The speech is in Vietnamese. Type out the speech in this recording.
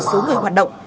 số người hoạt động